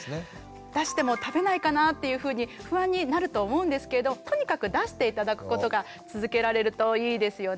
出しても食べないかなっていうふうに不安になると思うんですけどとにかく出して頂くことが続けられるといいですよね。